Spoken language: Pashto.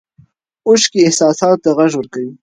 اوښکې احساساتو ته غږ ورکوي.